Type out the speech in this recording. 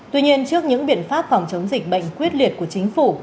tuy nhiên trước những biện pháp phòng chống dịch bệnh quyết liệt của chính phủ